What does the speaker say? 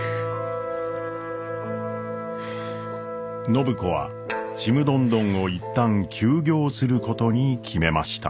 暢子はちむどんどんを一旦休業することに決めました。